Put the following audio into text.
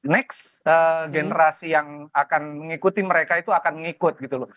next generasi yang akan mengikuti mereka itu akan mengikut gitu loh